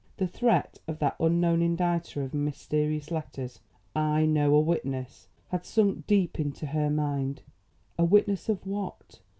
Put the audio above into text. The threat of that unknown indicter of mysterious letters, I KNOW A WITNESS, had sunk deep into her mind. A witness of what?